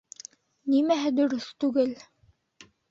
Нимәһе дөрөҫ түгел?